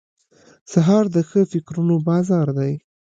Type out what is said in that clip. سهار د ښه فکرونو بازار دی.